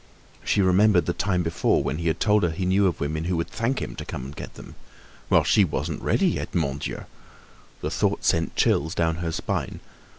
She remembered the time before, when he had told her he knew of women who would thank him to come and get them. Well, she wasn't ready yet. Mon Dieu! The thought sent chills down her spine.